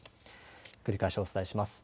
繰り返しお伝えします。